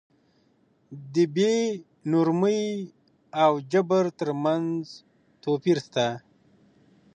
د بې نورمۍ او جبر تر منځ توپير سته.